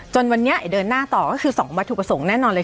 จนวันนี้เดินหน้าต่อก็คือ๒วัตถุประสงค์แน่นอนเลย